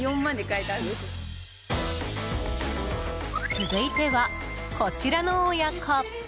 続いては、こちらの親子。